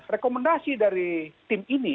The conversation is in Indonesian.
rekomendasi dari tim ini